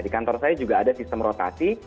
di kantor saya juga ada sistem rotasi